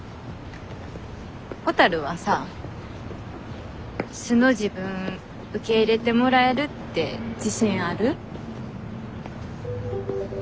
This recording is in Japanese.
ほたるはさ素の自分受け入れてもらえるって自信ある？